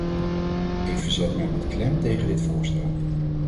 Ik verzet mij met klem tegen dit voorstel.